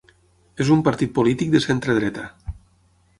És un partit polític de centredreta.